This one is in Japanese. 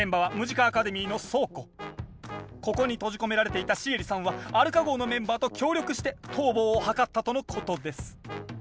現場はここに閉じ込められていたシエリさんはアルカ号のメンバーと協力して逃亡を図ったとのことです。